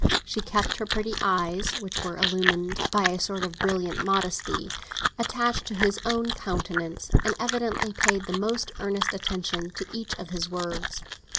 She kept her pretty eyes, which were illumined by a sort of brilliant modesty, attached to his own countenance, and evidently paid the most earnest attention to each of his words.